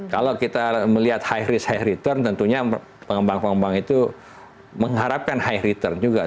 kalau kita melihat high risk high return tentunya pengembang pengembang itu mengharapkan high return juga